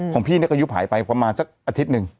ของพี่เนี่ยก็อายุหายไปประมาณสักอาทิตย์หนึ่ง